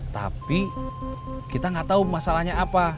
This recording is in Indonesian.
tapi kita gak tau masalanya apa